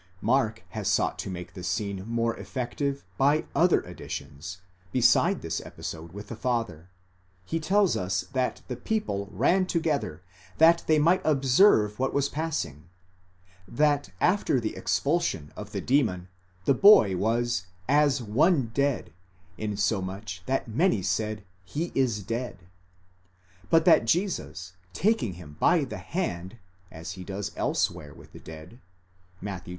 Mark has sought to make the scene more effective by other additions, beside this episode with the father; he tells us that the people ran together that they might observe what was passing, that after the expulsion of the demon the boy was as one dead, insomuch that many said, he is dead ; but that Jesus, taking him by the hand, as he does elsewhere with the dead (Matt.